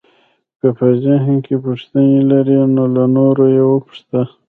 که په ذهن کې پوښتنې لرئ نو له نورو یې وپوښته.